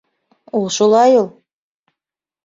Ул шулай ул!..